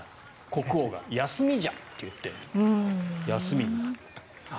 国王が休みじゃ！って言って休みになった。